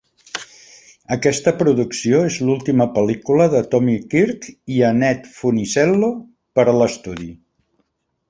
Aquesta producció és l'última pel·lícula de Tommy Kirk i Annette Funicello per a l'estudi.